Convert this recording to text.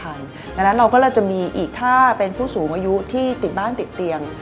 ดังนั้นเราก็เลยจะมีอีกถ้าเป็นผู้สูงอายุที่ติดบ้านติดเตียง